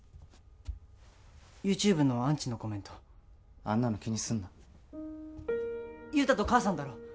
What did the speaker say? ＹｏｕＴｕｂｅのアンチのコメントあんなの気にすんな裕太と母さんだろ？